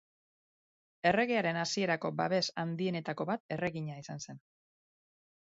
Erregearen hasierako babes handienetako bat erregina izan zen.